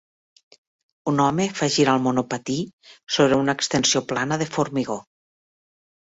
Un home fa girar el monopatí sobre una extensió plana de formigó.